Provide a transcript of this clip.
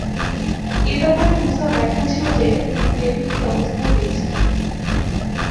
এ ব্যাপারে মূসার ব্যাখ্যা ছিল যে তিনি টেবিলটি এ অবস্থায় পেয়েছিলেন।